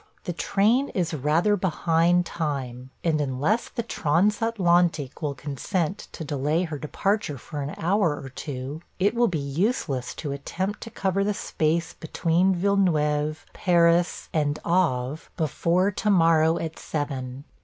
The train is rather behind time, and unless the Transatlantique will consent to delay her departure for an hour or two, it will be useless to attempt to cover the space between Villeneuve, Paris, and Havre before to morrow at seven.